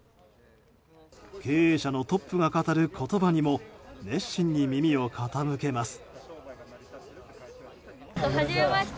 経営者のトップが語る言葉にも熱心に耳を傾けます。